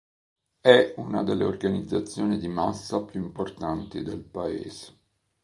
È una delle organizzazioni di massa più importanti del Paese.